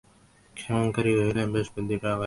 ক্ষেমংকরী কহিলেন, বেশ বুদ্ধি ঠাওরাইয়াছ মা।